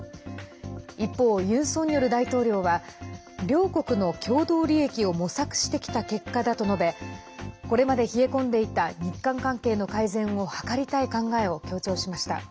一方、ユン・ソンニョル大統領は両国の共同利益を模索してきた結果だと述べこれまで冷え込んでいた日韓関係の改善を図りたい考えを強調しました。